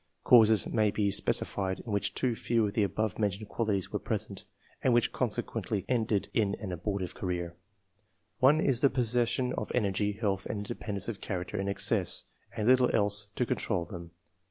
Cases may be spe cified, in which too few of the above mentioned qualities were present, and which consequently ended in an abortive career. One, is the pos session of energy, health, and independence of character in excess, and little else to control them.